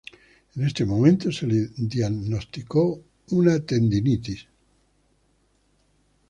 En ese momento se le diagnosticó una tendinitis.